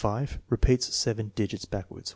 Repeats 7 digits backwards.